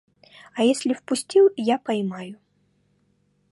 А если впустил, я поймаю.